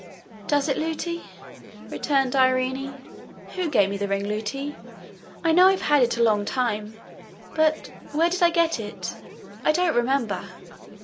'Does it, Lootie?' returned Irene. 'Who gave me the ring, Lootie? I know I've had it a long time, but where did I get it? I don't remember.'